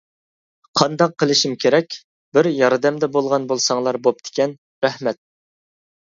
قانداق قىلىشىم كېرەك؟ بىر ياردەمدە بولغان بولساڭلار بوپتىكەن. رەھمەت!